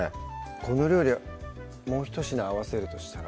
この料理もうひと品合わせるとしたら？